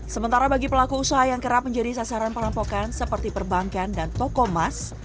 sementara bagi pelaku usaha yang kerap menjadi sasaran perampokan seperti perbankan dan toko emas